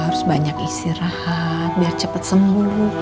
harus banyak istirahat biar cepat sembuh